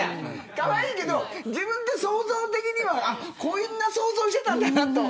かわいいけど、自分で想像してこんな想像していたんだなと。